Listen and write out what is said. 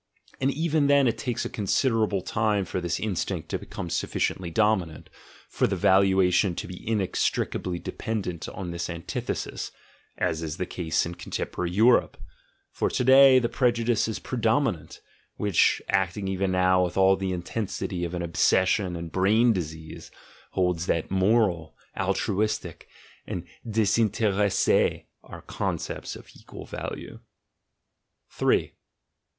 And even then it takes a considerable time for this instinct to be come sufficiently dominant, for the valuation to be inex tricably dependent on this antithesis (as is the case in contemporary Europe); for to day the prejudice is pre dominant, which, acting even now with all the intensity of an obsession and brain disease, holds that "moral," "altruistic," and "desinteresse" are concepts of equal value.